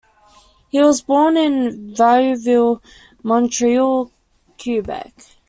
He was born in Viauville, Montreal, Quebec.